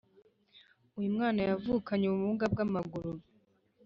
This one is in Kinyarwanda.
uyumwana yavukanye ubumuga bwamaguru